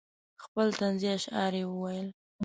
خپل طنزیه اشعار یې وویل.